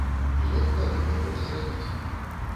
Ён павінен гэта зрабіць.